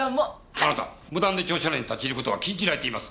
あなた無断で庁舎内に立ち入る事は禁じられています。